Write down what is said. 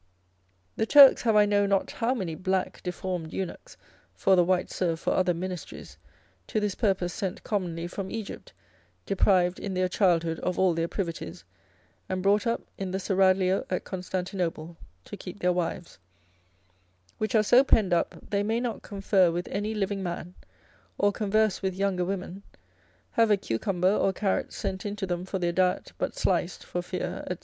The Turks have I know not how many black, deformed eunuchs (for the white serve for other ministeries) to this purpose sent commonly from Egypt, deprived in their childhood of all their privities, and brought up in the seraglio at Constantinople to keep their wives; which are so penned up they may not confer with any living man, or converse with younger women, have a cucumber or carrot sent into them for their diet, but sliced, for fear, &c.